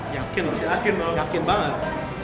yakin yakin banget